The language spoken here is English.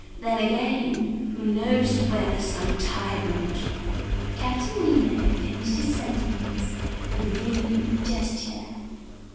Then again, who knows whether some tyrant ..." Captain Nemo finished his sentence with a vehement gesture.